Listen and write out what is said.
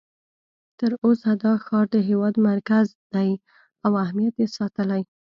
تر اوسه دا ښار د هېواد مرکز دی او اهمیت یې ساتلی.